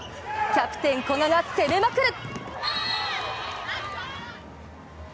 キャプテン・古賀が攻めまくる！